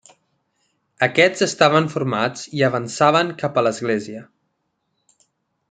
Aquests estaven formats i avançaven cap a l'església.